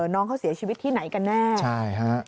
น้องเขาเสียชีวิตที่ไหนกันแน่ใช่ฮะ